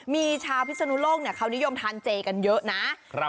มีชาวพิศนุโลกเขานิยมทานเจกันเยอะนะ